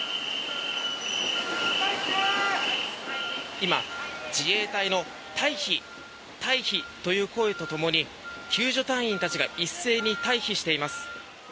今、自衛隊の退避、退避という声とともに救助隊員たちが一斉に退避しています。